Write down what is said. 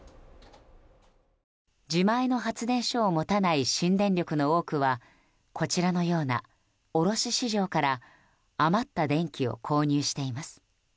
自前の発電所を持たない新電力の多くはこちらのような卸市場から余った電気を購入しています。